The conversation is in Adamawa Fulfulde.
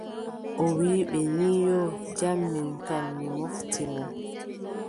O wiʼi ɓe ni yoo , jam min kam mi mofti mon.